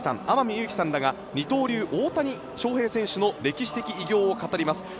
天海祐希さんらが二刀流・大谷翔平選手の歴史的偉業を語ります。